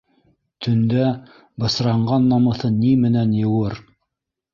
Төндә бысранған намыҫын ни менән йыуыр?!